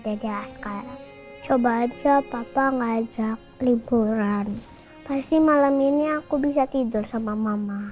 dedes kayak coba aja papa ngajak liburan pasti malam ini aku bisa tidur sama mama